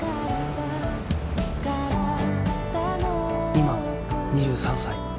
今２３歳。